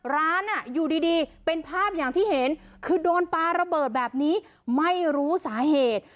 ร้านอยู่ดีเป็นภาพอย่างที่เห็นคือโดนปลาระเบิดแบบนี้ไม่รู้สาเหตุ